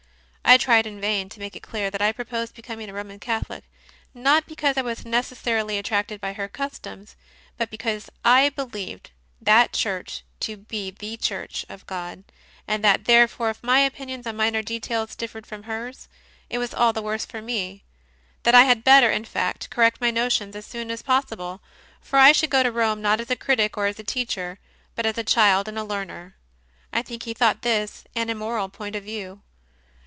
I tried in vain to make it clear that I proposed becoming a Roman Catholic not because I was necessarily attracted by her customs, but because I believed that Church to be the Church of God, and that therefore if my opinions on minor details differed 120 CONFESSIONS OF A CONVERT from hers, it was all the worse for me; that I had better, in fact, correct my notions as soon as pos sible, for I should go to Rome not as a critic or a teacher, but as a child and a learner. I think he thought this an immoral point of view.